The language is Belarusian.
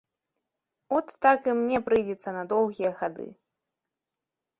От так і мне прыйдзецца на доўгія гады.